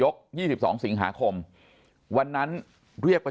ที่ไม่มีนิวบายในการแก้ไขมาตรา๑๑๒